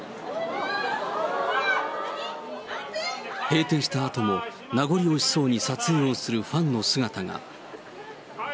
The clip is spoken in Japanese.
閉店したあとも、名残惜しそうに撮影をするファンの姿が。